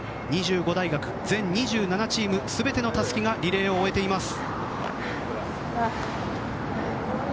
２５大学全２７チーム全てのたすきがリレーを終えています。